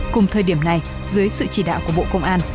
cùng thời điểm này dưới sự chỉ đạo của bộ công an